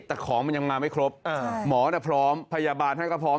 แต่ของมันยังมาไม่ครบหมอพร้อมพยาบาลท่านก็พร้อม